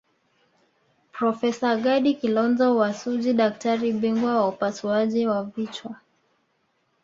Profesa Gadi Kilonzo wa Suji daktari bingwa wa upasuaji wa vichwa